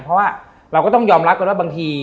เพราะว่าเราก็ต้องยอมรับกันว่าบางที